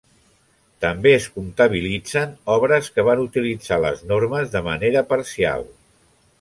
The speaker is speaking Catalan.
També es comptabilitzen obres que van utilitzar les normes de manera parcial.